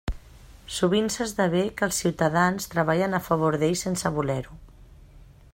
Sovint s'esdevé que els ciutadans treballen a favor d'ell sense voler-ho.